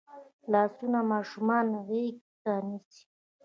لاسونه ماشومان غېږ ته نیسي